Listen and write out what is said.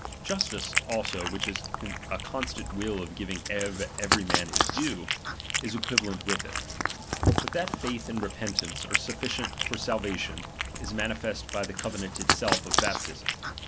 Justice, also, which is a constant will of giving to every man his due, is equivalent with it. But iha.tj'aith and repeatnnce are sufficient for salvation, is manifest by the cove nant itself of baptism.